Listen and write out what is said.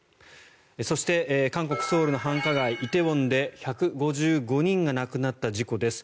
そして、韓国ソウルの繁華街梨泰院で１５５人が亡くなった事故です。